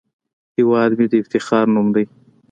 هیواد مې د افتخار نوم دی